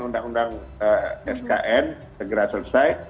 undang undang skn segera selesai